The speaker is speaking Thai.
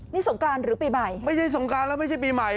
นี่สงกรานหรือปีใหม่ไม่ใช่สงกรานแล้วไม่ใช่ปีใหม่